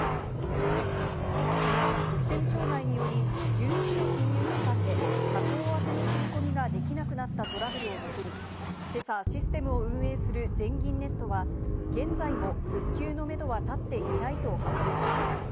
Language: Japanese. きのう、システム障害により１１の金融機関で他行宛ての振り込みができなくなったトラブルを巡り、今朝システムを運営する全銀ネットは現在も復旧のめどは立っていないと発表しました。